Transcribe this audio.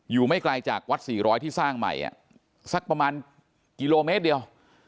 อยู่ไม่ไกลจากวัดสี่ร้อยที่สร้างใหม่อ่ะสักประมาณกิโลเมตรเดียว